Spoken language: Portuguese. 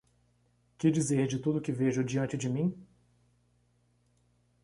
Que dizer de tudo que vejo diante de mim?